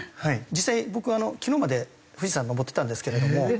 実際僕昨日まで富士山登ってたんですけれども。